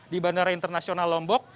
di bandara internasional lombok